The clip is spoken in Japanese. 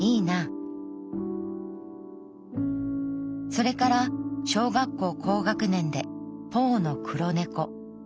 それから小学校高学年でポーの『黒猫』。